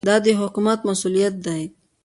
دا د حکومت مسوولیت دی.